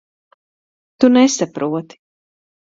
Tu nesaproti.